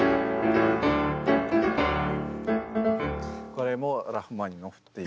これも「ラフマニノフ」っていう。